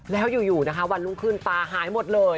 แล้วอยู่วันรุ่งคืนปลาหายหมดเลย